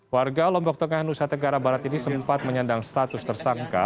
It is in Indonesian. warga lombok tengah nusa tenggara barat ini sempat menyandang status tersangka